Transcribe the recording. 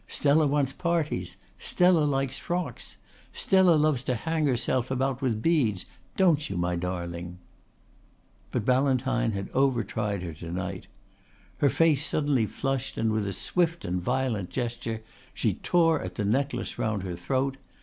Stella wants parties. Stella likes frocks. Stella loves to hang herself about with beads, don't you, my darling?" But Ballantyne had overtried her to night. Her face suddenly flushed and with a swift and violent gesture she tore at the necklace round her throat.